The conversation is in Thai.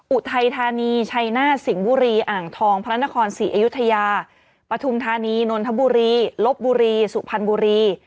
อุทัยธานีชัยนาฏสิงห์บุรีอ่างทองพระนครศรีอยุธยาปฐุมธานีนนทบุรีลบบุรีสุพรรณบุรี